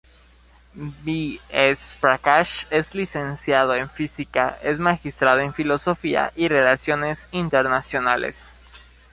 B. S. Prakash es licenciado en Física, es Magistrado en Filosofía y Relaciones Internacionales.